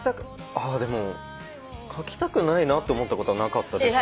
でも描きたくないなって思ったことはなかったです。